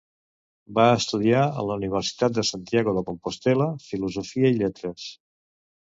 Va estudiar, en la Universitat de Santiago de Compostel·la, Filosofia i Lletres.